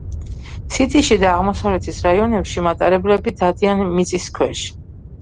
სიტიში და აღმოსავლეთის რაიონებში მატარებლები დადიან მიწის ქვეშ.